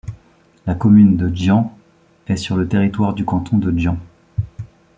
La commune de Gien est sur le territoire du canton de Gien.